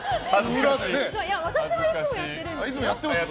私はいつもやってるんですよ。